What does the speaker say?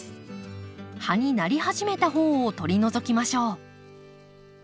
葉になり始めた方を取り除きましょう。